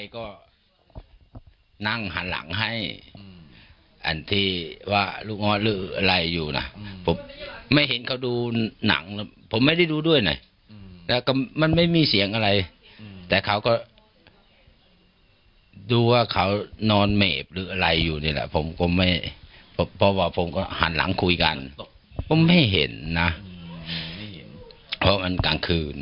ก็ไม่เห็นนะเพราะว่ามันกลางคืนเนาะ